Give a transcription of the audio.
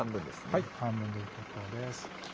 はい半分で結構です